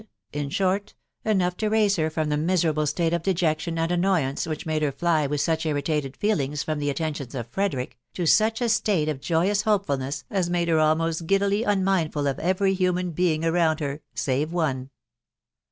in short, enough to raise her from the miserable state ef dejection and annoyance which made her fly with such irri 'tated feelings from the attentions of Frederick, to such a state of joyous hopefulness as made her almost giddily unmindful of every human being around her, save one.